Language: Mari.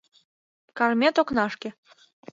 Кармет — окнашке.